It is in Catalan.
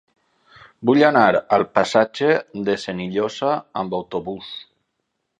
Vull anar al passatge de Senillosa amb autobús.